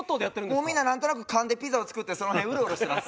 もうみんななんとなく勘でピザを作ってその辺うろうろしてます。